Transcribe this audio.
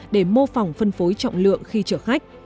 để mô phỏng phân phối trọng lượng khi chở khách